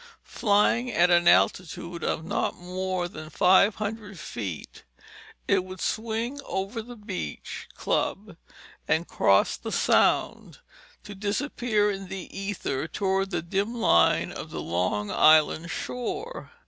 Flying at an altitude of not more than five hundred feet, it would swing over the beach club and cross the Sound, to disappear in the ether toward the dim line of the Long Island shore.